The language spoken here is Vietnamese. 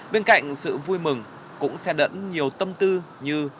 bên cạnh sự vui mừng cũng xe đẫn nhiều tâm tư như